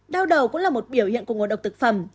đau đầu cũng là một biểu hiện của ngộ độc thực phẩm